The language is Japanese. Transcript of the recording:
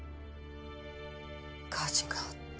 火事があった。